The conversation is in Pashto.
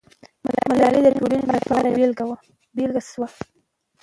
ملالۍ د ټولنې لپاره یوه بېلګه سوه.